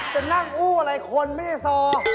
จะนั่งอู้อะไรที่คนไม่ได้ทรอ